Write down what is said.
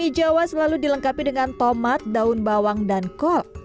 mie jawa selalu dilengkapi dengan tomat daun bawang dan kol